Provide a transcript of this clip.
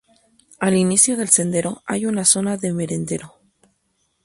Al inicio del sendero hay una zona de merendero.